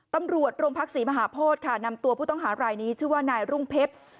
ตำรวจโรงพักศรีมหาโพธิค่ะนำตัวผู้ต้องหารายนี้ชื่อว่านายรุ่งเพชร